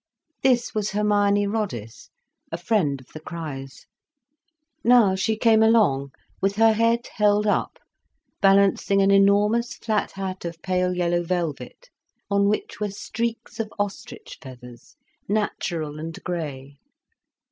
This was Hermione Roddice, a friend of the Criches. Now she came along, with her head held up, balancing an enormous flat hat of pale yellow velvet, on which were streaks of ostrich feathers, natural and grey.